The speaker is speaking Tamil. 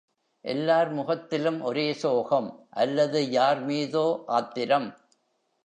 எல்லார் முகத்திலும் ஒரே சோகம் அல்லது யார் மீதோ ஆத்திரம்.